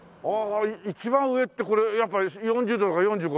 一番上ってこれ４０度とか４５度？